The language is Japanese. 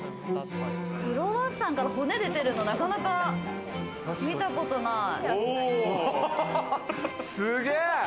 クロワッサンから骨でてるの、なかなか見たことない。